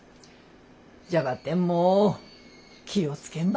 じゃばってんもう気を付けんばね。